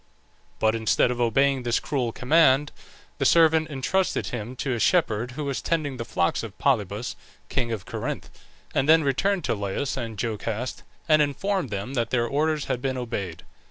But instead of obeying this cruel command, the servant intrusted him to a shepherd who was tending the flocks of Polybus, king of Corinth, and then returned to Laius and Jocaste, and informed them that their orders had been obeyed.